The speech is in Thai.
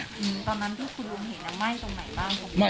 ส่วนนางสุธินนะครับบอกว่าไม่เคยคาดคิดมาก่อนว่าบ้านเนี่ยจะมาถูกภารกิจนะครับ